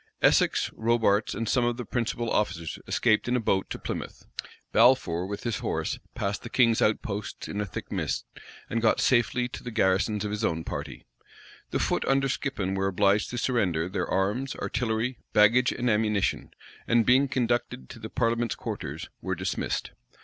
Essex, Robarts, and some of the principal officers escaped in a boat to Plymouth; Balfour with his horse passed the king's outposts in a thick mist, and got safely to the garrisons of his own party. The foot under Skippon were obliged to surrender their arms, artillery, baggage, and ammunition; and being conducted to the parliament's quarters, were dismissed.